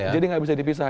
jadi nggak bisa dipisah